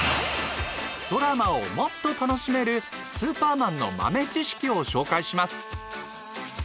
ドラマをもっと楽しめる「スーパーマン」の豆知識を紹介します。